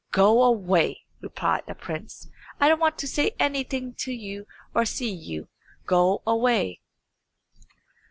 "Go away," replied the prince. "I don't want to say anything to you, or to see you. Go away."